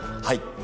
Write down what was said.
はい。